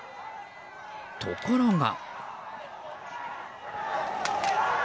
ところが。